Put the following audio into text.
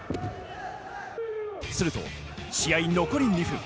すると試合残り２分。